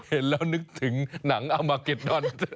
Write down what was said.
เห็นแล้วนึกถึงหนังอมเกดดอน